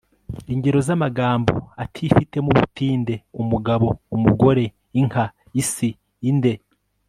ingero z'amagambo atifitemo ubutinde umugabo, umugore, inka, isi, inde